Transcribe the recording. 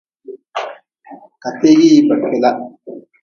Kategin hina ba kela.